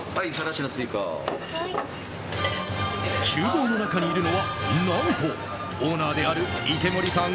厨房の中にいるのは何とオーナーである池森さん